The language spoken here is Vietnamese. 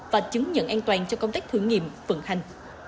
và chứng nhận an toàn cho công tác thử nghiệm vận hành